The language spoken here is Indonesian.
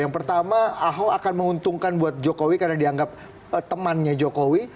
yang pertama ahok akan menguntungkan buat jokowi karena dianggap temannya jokowi